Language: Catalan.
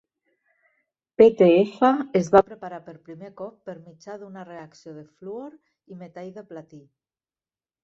PtF es va preparar per primer cop per mitjà d"una reacció de fluor i metall de platí.